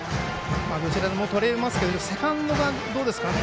どちらともとれますけどもセカンドが、どうですかね。